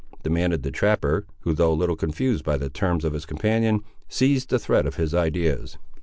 demanded the trapper, who, though a little confused by the terms of his companion, seized the thread of his ideas.